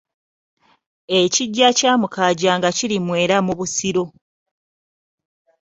Ekiggya kya Mukaajanga kiri Mwera mu Busiro.